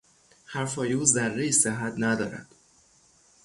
حرفهای او ذرهای صحت ندارد.